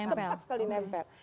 kepat sekali nempel